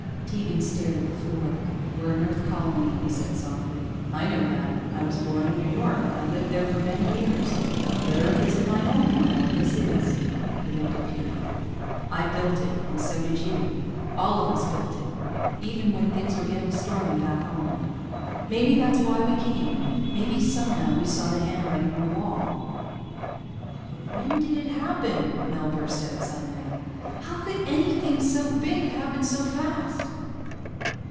Tegan stared at the floor. "We're an Earth colony," he said softly. "I know that. I was born in New York. I lived there for many years. But Earth isn't my home any more. This is." He looked at Pete. "I built it, and so did you. All of us built it, even when things were getting stormy back home. Maybe that's why we came, maybe somehow we saw the handwriting on the wall." "But when did it happen?" Mel burst out suddenly. "How could anything so big happen so fast?"